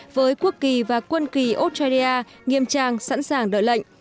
với quốc kỳ và quân kỳ australia nghiêm trang sẵn sàng đợi lệnh